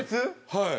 はい。